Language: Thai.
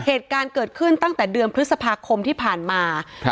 เหตุการณ์เกิดขึ้นตั้งแต่เดือนพฤษภาคมที่ผ่านมาครับ